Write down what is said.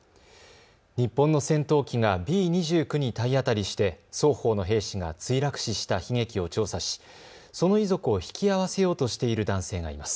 日本の戦闘機がＢ２９に体当たりして双方の兵士が墜落死した悲劇を調査しその遺族を引き合わせようとしている男性がいます。